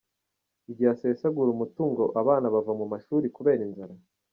Igihe asesagura umutungo abana bava mumashuri kubera inzara?